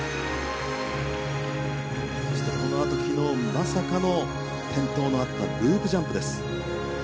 そして昨日まさかの転倒のあったループジャンプです。